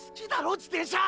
自転車！